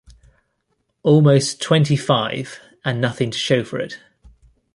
Almost twenty-five, and nothing to show for it.